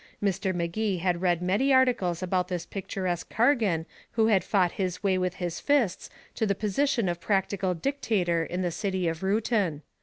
Mr. Magee had read many articles about this picturesque Cargan who had fought his way with his fists to the position of practical dictator in the city of Reuton.